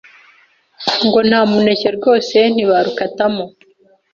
ngo nta muneke rwose ni barukatamo.